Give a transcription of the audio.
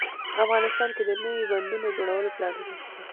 افغانستان کې د نوي بندونو د جوړولو پلانونه شته